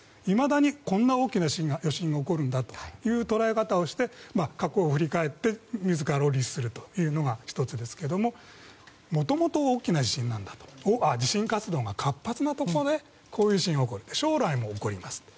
いまだにこんな大きな余震が起こるんだという捉え方をして過去を振り返って自らを律するというのが１つですけどもともと大きな地震だと地震活動が活発なところで将来も起こります。